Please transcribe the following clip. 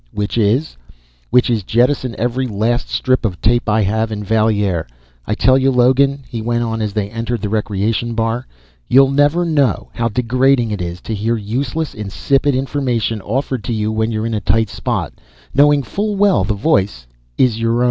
"Which is?" "Which is jettison every last strip of tape I have in Valier. I tell you, Logan," he went on as they entered the recreation bar, "you'll never know how degrading it is to hear useless, insipid information offered to you when you're in a tight spot, knowing full well the voice is your own!"